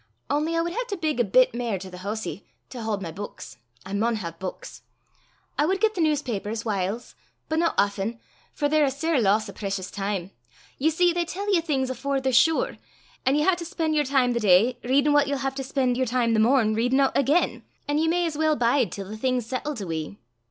Only I wad hae to bigg a bit mair to the hoosie, to haud my buiks: I maun hae buiks. I wad get the newspapers whiles, but no aften, for they're a sair loss o' precious time. Ye see they tell ye things afore they're sure, an' ye hae to spen' yer time the day readin' what ye'll hae to spen' yer time the morn readin' oot again; an' ye may as weel bide till the thing's sattled a wee.